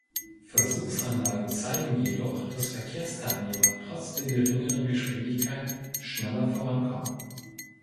Versuchsanlagen zeigen jedoch, dass Verkehrsteilnehmer trotz der geringeren Geschwindigkeiten schneller vorankommen.